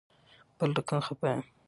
بل رقم خفه یم